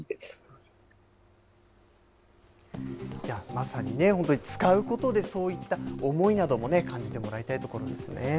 まさにね、本当に使うことでそういった思いなども感じてもらいたいところですね。